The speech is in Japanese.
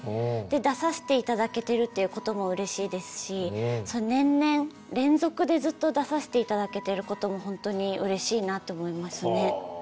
出させて頂けてるっていうこともうれしいですし年々連続でずっと出させて頂けてることもほんとにうれしいなって思いますね。